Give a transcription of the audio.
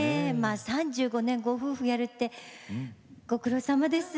３５年ご夫婦をやるってご苦労さまです。